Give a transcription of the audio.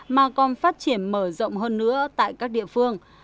mà còn phát triển mở rộng hơn nữa tại các địa phương